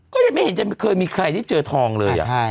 ก็ยังไม่เห็นจะเคยมีใครได้เจอทองเลย